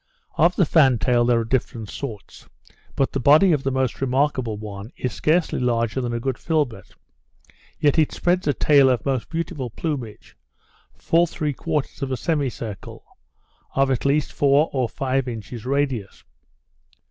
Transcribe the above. Of the fan tail there are different sorts; but the body of the most remarkable one is scarcely larger than a good filbert, yet it spreads a tail of most beautiful plumage, full three quarters of a semi circle, of at least four or five inches radius.